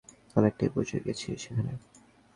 অনেকটাই পৌঁছে গেছি সেখানে!